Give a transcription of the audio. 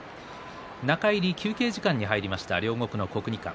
中入り休憩時間に入りました両国の国技館。